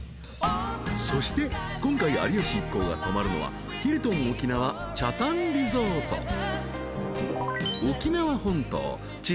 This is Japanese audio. ［そして今回有吉一行が泊まるのはヒルトン沖縄北谷リゾート］